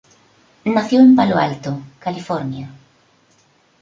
Nació en Palo Alto, California.